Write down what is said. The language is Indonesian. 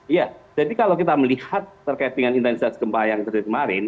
iya jadi kalau kita melihat terkait dengan intensitas gempa yang terjadi kemarin